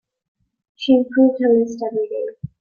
She improved her list every day.